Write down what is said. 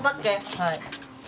はい。